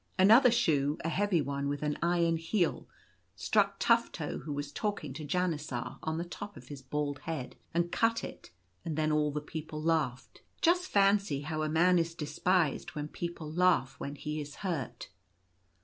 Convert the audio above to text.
Another shoe — a heavy one with an iron heel — struck Tufto, who was talking to Janisar — on the top of his bald head, and cut it, and then all the people laughed. Just fancy how a man is despised when people laugh when Jhe is hurt.